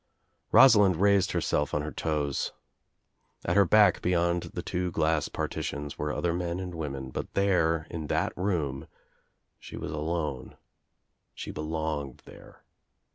Rosalind raised herself on her toes. At her back beyond the two glass partitions were other men and women, but there, in that room, she was alone. She belonged there.